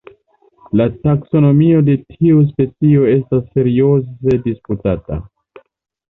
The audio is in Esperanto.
La taksonomio de tiu specio estas serioze disputata.